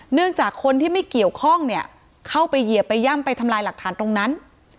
เนื่องจากคนที่ไม่เกี่ยวข้องเนี่ยเข้าไปเหยียบไปย่ำไปทำลายหลักฐานตรงนั้น